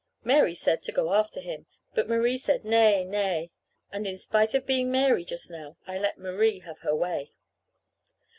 Mary said to go after him; but Marie said nay, nay. And in spite of being Mary just now, I let Marie have her way.